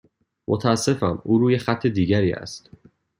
متاسفم، او روی خط دیگری است.